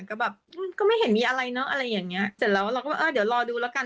ก็แบบก็ไม่เห็นมีอะไรเนอะอะไรอย่างเงี้เสร็จแล้วเราก็ว่าเออเดี๋ยวรอดูแล้วกัน